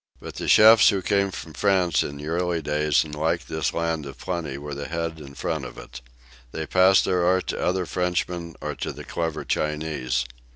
But the chefs who came from France in the early days and liked this land of plenty were the head and front of it. They passed their art to other Frenchmen or to the clever Chinese.